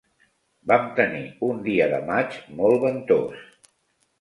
Vam tenir un dia de maig molt ventós.